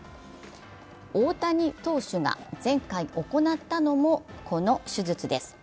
大谷投手が前回行ったのも、この手術です。